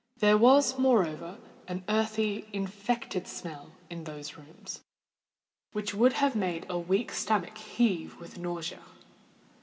There was, moreover, an earthy, infected smell in those rooms, which would have made a weak stomach heave with nausea.